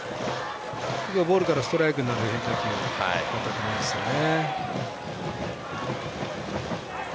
ボールからストライクになる変化球だったと思うんですけどね。